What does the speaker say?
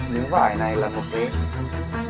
những vải này là một cái